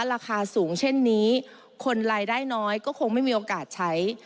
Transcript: ราคาสูงเช่นนี้คนรายได้น้อยก็คงไม่มีโอกาสใช้